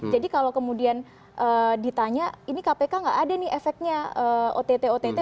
jadi kalau kemudian ditanya ini kpk nggak ada nih efeknya ott ott